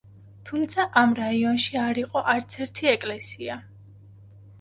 თუმცა ამ რაიონში არ იყო არცერთი ეკლესია.